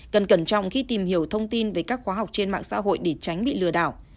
cần cẩn trọng khi tìm hiểu thông tin về các khóa học trên mạng xã hội để tránh bị lừa đảo